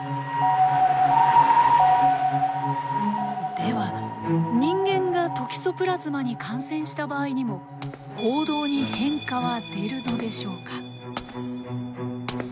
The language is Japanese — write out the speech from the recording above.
では人間がトキソプラズマに感染した場合にも行動に変化は出るのでしょうか？